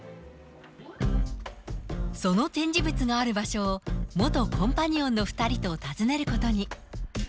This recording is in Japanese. その展示物のある場所を元コンパニオンの２人と訪ねることに。